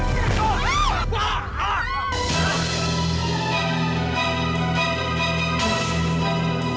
kamu orang yang memperlakukan mengarahkan